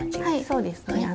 はいそうですね。